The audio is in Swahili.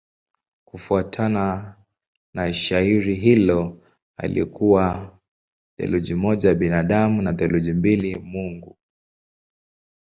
Kufuatana na shairi hilo alikuwa theluthi moja binadamu na theluthi mbili mungu.